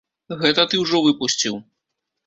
Гэта ты ўжо выпусціў.